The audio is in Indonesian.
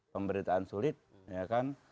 pemberitaan sulit ya kan